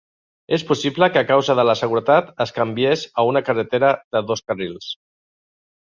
És possible que a causa de la seguretat es canviés a una carretera de dos carrils.